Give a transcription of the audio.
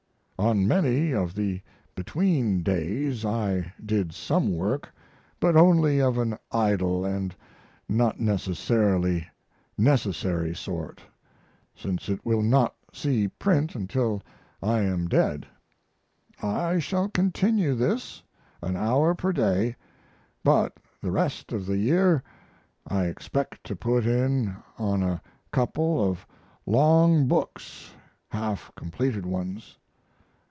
On many of the between days I did some work, but only of an idle & not necessarily necessary sort, since it will not see print until I am dead. I shall continue this (an hour per day), but the rest of the year I expect to put in on a couple of long books (half completed ones).